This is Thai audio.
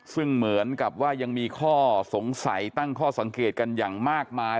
ซึ่งเหมือนกับว่ายังมีข้อสงสัยตั้งข้อสังเกตกันอย่างมากมาย